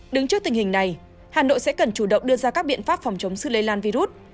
đứng trước tình hình này hà nội sẽ cần chủ động đưa ra các biện pháp phòng chống sự lây lan virus